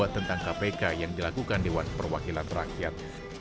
tentang kpk yang dilakukan di wan perwakilan rakyat